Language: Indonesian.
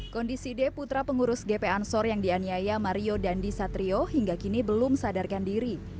kondisi d putra pengurus gp ansor yang dianiaya mario dandi satrio hingga kini belum sadarkan diri